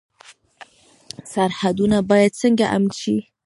سرحدونه باید څنګه امن شي؟